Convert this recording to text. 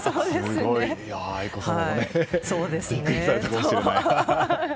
愛子さまもビックリされたかもしれない。